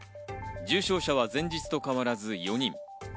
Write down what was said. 重症者は前日と変わらず４人。